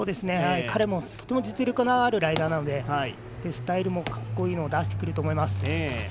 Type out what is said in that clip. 彼もとても実力のあるライダーなのでスタイルも格好いいのを出してくると思います。